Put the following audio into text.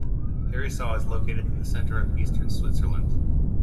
Herisau is located in the centre of eastern Switzerland.